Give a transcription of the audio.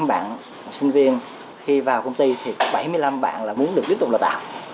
một trăm linh bạn sinh viên khi vào công ty thì bảy mươi năm bạn là muốn được tiếp tục đào tạo